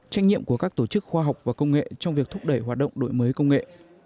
trách nhiệm của các tổ chức khoa học và công nghệ trong việc thúc đẩy hoạt động đổi mới công nghệ